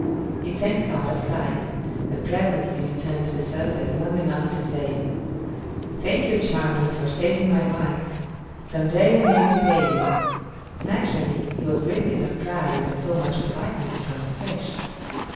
It sank out of sight, but presently returned to the surface long enough to say: "Thank you, Charming, for saving my life. Some day I may repay you." Naturally, he was greatly surprised at so much politeness from a fish.